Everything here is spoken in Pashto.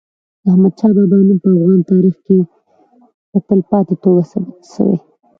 د احمد شاه بابا نوم په افغان تاریخ کي په تلپاتې توګه ثبت سوی.